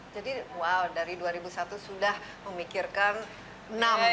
jadi wow dari dua ribu satu sudah memikirkan enam episode ini